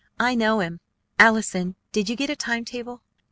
I know him. Allison, did you get a time table?"